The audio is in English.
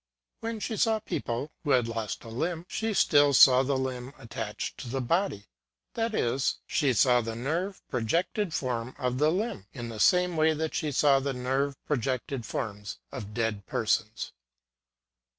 When she saw people who had lost a limb, she still saw the limb attached to the body ; that is, she saw the nerve projected form of the limb, in the same way that she saw the nerve projected forms of dead persons.